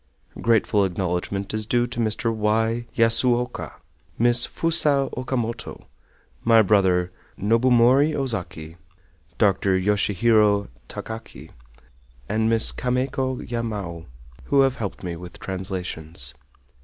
Grateful acknowledgment is due to Mr. Y. Yasuoka, Miss Fusa Okamoto, my brother Nobumori Ozaki, Dr. Yoshihiro Takaki, and Miss Kameko Yamao, who have helped me with translations.